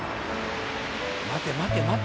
待て待て待て。